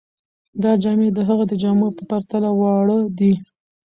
دا جامې د هغه د جامو په پرتله واړه دي.